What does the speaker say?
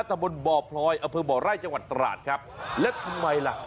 ทะบนบ่อพลอยอบไร่จตราจครับแล้วทำไมล่ะ